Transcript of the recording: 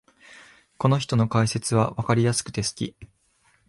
この人の解説はわかりやすくて好き